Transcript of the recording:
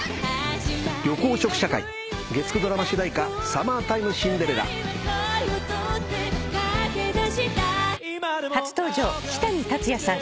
緑黄色社会月９ドラマ主題歌『サマータイムシンデレラ』初登場キタニタツヤさん。